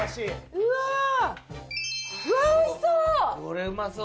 うわっおいしそう！